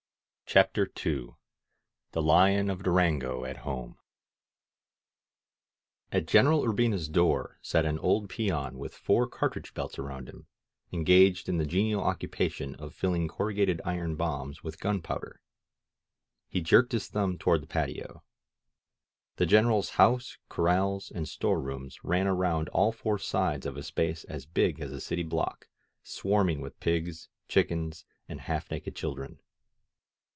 CHAPTER n THE LION OF DURANGO AT HOME AT Greneral Urbina's door sat an old peon with four cartridge belts around him, engaged in the genial occupation of filling corrugated iron bombs with gunpowder. He jerked his thumb toward the patio. The Greneral's house, corrals and store rooms ran around all four sides of a space as big as a city block, swarming with pigs, chickens and half naked children.